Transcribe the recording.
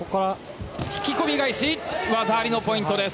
引き込み返し技ありのポイントです。